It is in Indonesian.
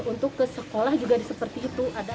untuk ke sekolah juga seperti itu